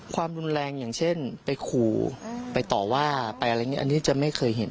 ความรุนแรงอย่างเช่นไปขู่ไปต่อว่าไปอะไรอย่างนี้อันนี้จะไม่เคยเห็น